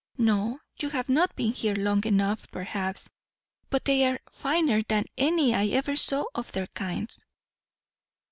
No, you have not been here long enough perhaps; but they are finer than any I ever saw of their kinds."